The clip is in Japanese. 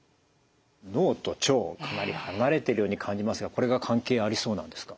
脳と腸かなり離れてるように感じますがこれが関係ありそうなんですか？